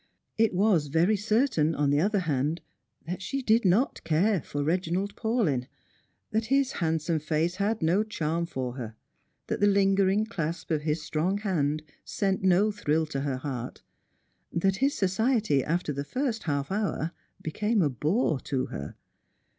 It was very certain, on the jther hand, that she did not care for Keginald Paulyn, that hia handsome face had no charm for her, that the hngerinc^ clasp of his strong hand sent no thrill to her heart, that his society after the tirst half hour became a bore to her.